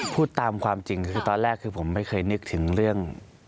พูดตามความจริงคือตอนแรกคือผมไม่เคยนึกถึงเรื่อง